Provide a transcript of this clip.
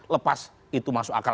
lepas itu masuk akal